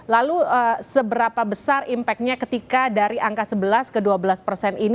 lalu seberapa besar impactnya ketika dari angka sebelas ke dua belas persen ini